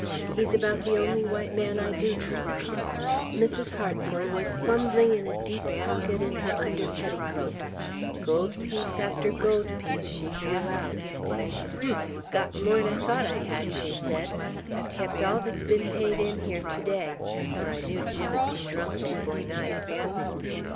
"He's about the only white man I do trust!" Mrs. Hartsel was fumbling in a deep pocket in her under petticoat. Gold piece after gold piece she drew out. "Humph! Got more'n I thought I had," she said. "I've kept all that's been paid in here to day, for I knew Jim'd be drunk before night."